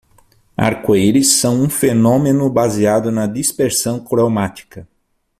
Arco-íris são um fenômeno baseado na dispersão cromática.